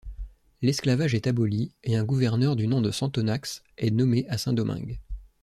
L'esclavage est aboli et un gouverneur du nom de Sonthonax est nommé à Saint-Domingue.